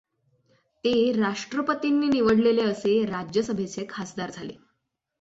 ते राष्ट्रपतींनी निवडलेले असे राज्यसभेचे खासदार झाले.